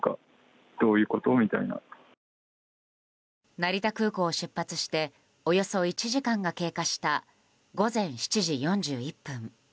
成田空港を出発しておよそ１時間が経過した午前７時４１分